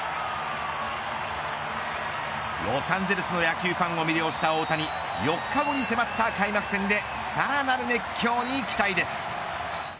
ロサンゼルスの野球ファンを魅了した大谷４日後に迫った開幕戦でさらなる熱狂に期待です。